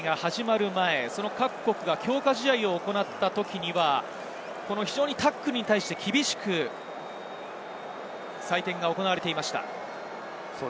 今大会が始まる前、各国が強化試合を行ったときには、タックルに対して厳しく采配が行われていました。